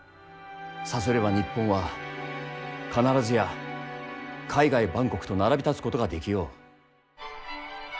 さすれば日本は必ずや海外万国と並び立つことができよう。